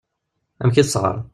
Amek i tesɣar.